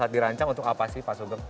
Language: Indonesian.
saat dirancang untuk apa sih pak soegeng